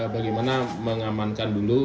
bagaimana mengamankan dulu